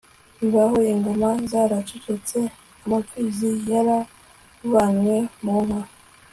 bibaho, ingoma zaracecetse, amapfizi yaravanywe mu nka